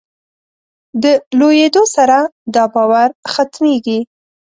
د لویېدو سره دا باور ختمېږي.